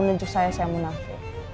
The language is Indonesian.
yang menunjuk saya saya munafo